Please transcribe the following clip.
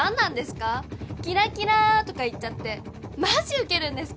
「キラキラ」とか言っちゃってマジウケるんですけど。